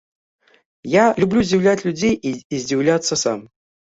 Я люблю здзіўляць людзей і здзіўляцца сам.